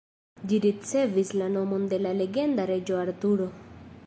Ĝi ricevis la nomon de la legenda reĝo Arturo.